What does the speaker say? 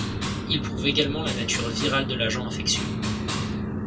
Il prouve également la nature virale de l’agent infectieux.